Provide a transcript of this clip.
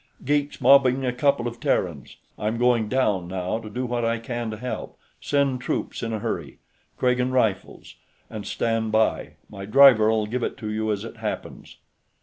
"Geeks mobbing a couple of Terrans. I'm going down, now, to do what I can to help; send troops in a hurry. Kragan Rifles. And stand by; my driver'll give it to you as it happens."